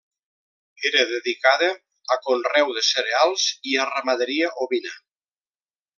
Era dedicada a conreu de cereals i a ramaderia ovina.